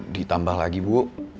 ditambah lagi bu